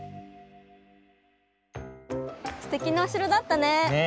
すてきなおしろだったね。